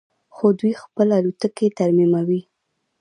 خو دوی خپلې الوتکې ترمیموي.